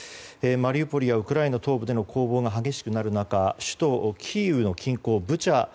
マリウポリはウクライナ東部での攻防が激しくなる中首都キーウの近郊ブチャ。